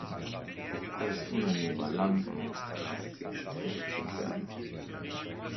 Das ist unannehmbar lang und muss drastisch reduziert werden.